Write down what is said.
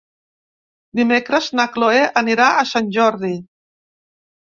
Dimecres na Chloé anirà a Sant Jordi.